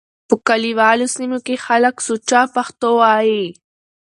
په کليوالو سيمو کې خلک سوچه پښتو وايي.